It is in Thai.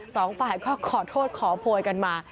สองฝ่ายก็ขอโทษขอโพยกันมา